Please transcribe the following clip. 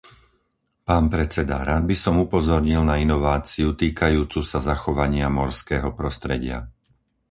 Pán predseda, rád by som upozornil na inováciu týkajúcu sa zachovania morského prostredia.